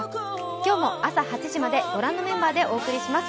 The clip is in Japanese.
今日も朝８時までご覧のメンバーでお送りいたします。